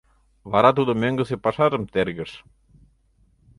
Вара тудо мӧҥгысӧ пашажым тергыш.